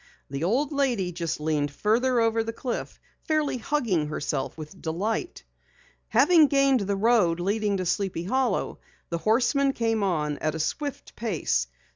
The old lady leaned farther over the cliff, fairly hugging herself with delight. Having gained the road leading to Sleepy Hollow, the horseman came on at a swift pace.